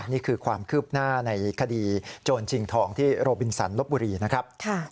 นี่คือความคืบหน้าในคดีโจรชิงทองที่โรบินสันลบบุรีนะครับ